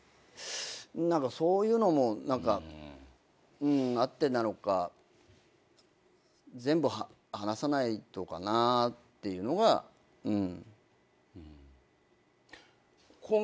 何かそういうのもあってなのか全部話さないとかなっていうのがうん。